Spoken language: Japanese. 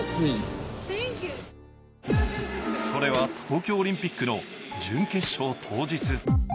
それは、東京オリンピックの準決勝当日。